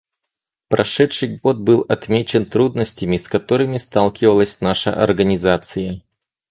Прошедший год был отмечен трудностями, с которыми сталкивалась наша Организация.